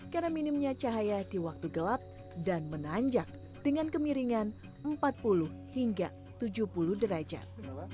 karena minimnya cahaya di waktu gelap dan menanjak dengan kemiringan empat puluh hingga tujuh puluh derajat